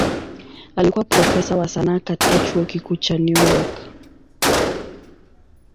Alikuwa profesa wa sanaa katika Chuo Kikuu cha New York.